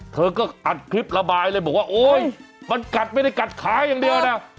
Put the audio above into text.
เธอก็อัดคลิประบายเลยบอกว่าโอ๊ยมันกัดไม่ได้กัดขาอย่างเดียวนะ